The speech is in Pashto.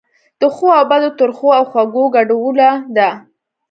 د ښو او بدو، ترخو او خوږو ګډوله ده.